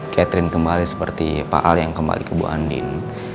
catherine kembali seperti pak al yang kembali ke bu andin